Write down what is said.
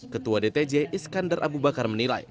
ketua dtj iskandar abu bakar menilai